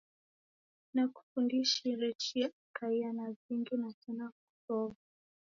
Nakufundishire chia ekaia na vingi na sena kusow'a